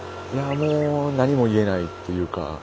もう何も言えないっていうか。